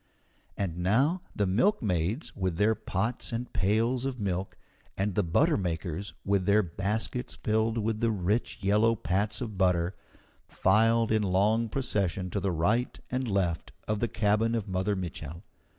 And now the milkmaids with their pots and pails of milk, and the buttermakers with their baskets filled with the rich yellow pats of butter, filed in long procession to the right and left of the cabin of Mother Mitchel.